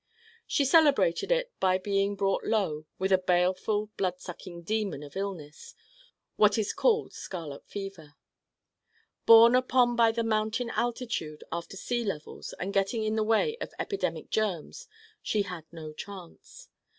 She celebrated it by being brought low with a baleful blood sucking demon of illness, what is called scarlet fever. Borne upon by the mountain altitude after sea levels and getting in the way of epidemic germs, she had no chance.